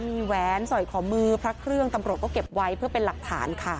มีแหวนสอยขอมือพระเครื่องตำรวจก็เก็บไว้เพื่อเป็นหลักฐานค่ะ